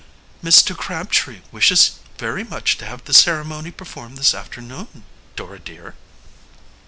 "Mr. Crabtree wishes very much to have the ceremony performed this afternoon, Dora dear."